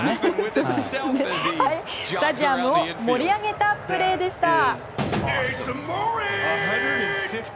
スタジアムを盛り上げたプレーでした。